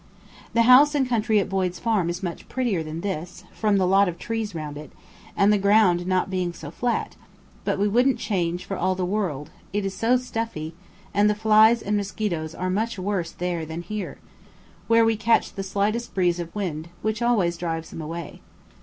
The house and country at Boyd's farm is much prettier than this, from the lot of trees round it, and the ground not being so flat; but we wouldn't change for all the world, it is so stuffy, and the flies and mosquitoes are much worse there than here, where we catch the slightest breeze of wind, which always drives them away.